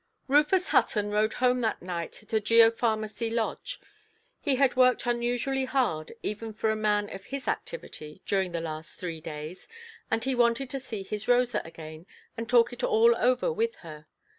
Rufus Hutton rode home that night to Geopharmacy Lodge. He had worked unusually hard, even for a man of his activity, during the last three days, and he wanted to see his Rosa again, and talk it all over with her.